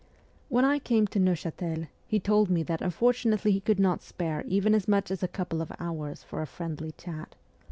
When I came to Neuchatel, he told me that unfortunately he could not spare even as much as a couple of hours for a friendly chat.